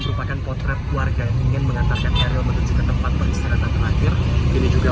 merupakan potret warga yang ingin mengantarkan eril menuju ke tempat peristirahatan terakhir ini juga